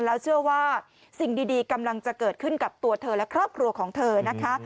แล้วเชื่อว่าสิ่งดีกำลังจะเกิดขึ้นกับตัวเธอและครอบครัวของเธอนะคะ